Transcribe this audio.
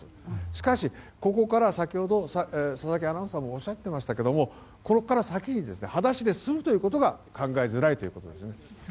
しかし、先ほど佐々木アナウンサーもおっしゃってましたがここから先は裸足で進むということが考えづらいということですね。